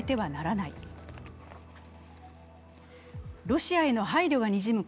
ロシアへの配慮がにじむ